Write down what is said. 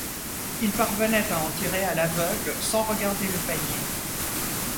Il parvenait à en tirer à l'aveugle, sans regarder le panier.